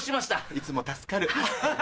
いつも助かる。